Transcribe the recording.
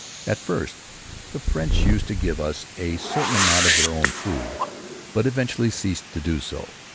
At first the French used to give us a certain amount of their own food, but eventually ceased to do so.